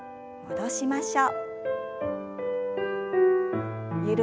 戻しましょう。